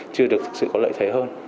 chưa thực sự có lợi thế hơn